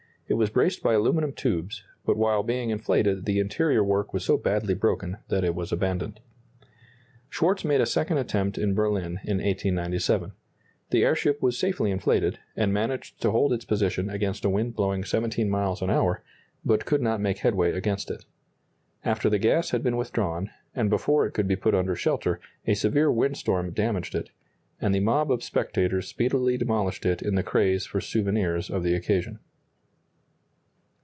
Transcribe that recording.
It was braced by aluminum tubes, but while being inflated the interior work was so badly broken that it was abandoned. Schwartz made a second attempt in Berlin in 1897. The airship was safely inflated, and managed to hold its position against a wind blowing 17 miles an hour, but could not make headway against it. After the gas had been withdrawn, and before it could be put under shelter, a severe windstorm damaged it, and the mob of spectators speedily demolished it in the craze for souvenirs of the occasion.